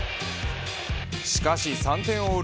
しかし３点を追う